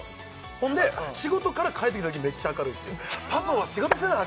ほんで仕事から帰ってきたときにめっちゃ明るいっていうパパは仕事せなあ